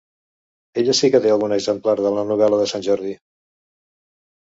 Ella sí que té algun exemplar de la novel·la de Sant Jordi.